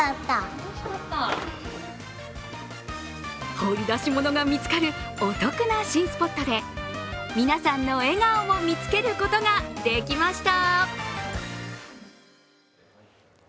掘り出し物が見つかるお得な新スポットで、皆さんの笑顔も見つけることができました。